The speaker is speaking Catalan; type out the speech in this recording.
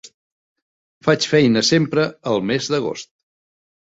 Faig feina sempre al mes d'agost.